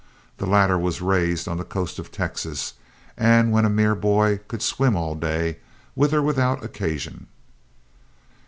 The latter was raised on the coast of Texas, and when a mere boy could swim all day, with or without occasion.